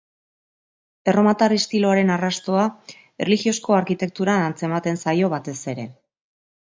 Erromatar estiloaren arrastoa erlijiozko arkitekturan antzematen zaio batez ere.